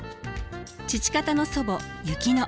父方の祖母薫乃。